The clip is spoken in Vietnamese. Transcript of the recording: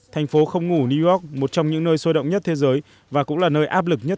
thành phố không ngủ new york một trong những nơi sôi động nhất thế giới và cũng là nơi áp lực nhất